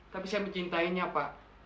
tapi saya mencintainya pak